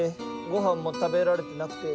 ごはんも食べられてなくて。